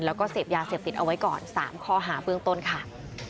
แล้วก็เสพยาเสพติดเอาไว้ก่อน๓ข้อหาเบื้องต้นค่ะ